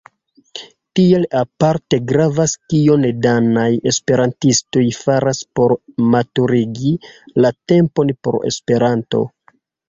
Tial aparte gravas kion danaj esperantistoj faras por maturigi la tempon por Esperanto.